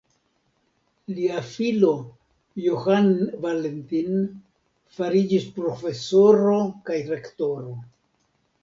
Lia filo Johann Valentin fariĝis profesoro kaj rektoro.